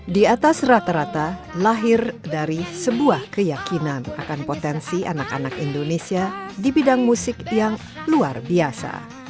di atas rata rata lahir dari sebuah keyakinan akan potensi anak anak indonesia di bidang musik yang luar biasa